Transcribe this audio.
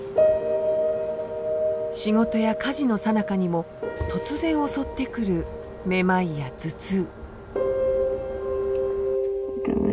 仕事や家事のさなかにも突然襲ってくるめまいや頭痛